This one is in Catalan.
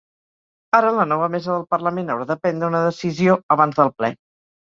Ara la nova mesa del parlament haurà de prendre una decisió abans del ple.